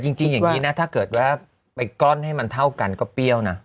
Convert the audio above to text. จริงอย่างนี้นะถ้าเกิดว่าไปก้อนให้มันเท่ากันก็เปรี้ยวนะ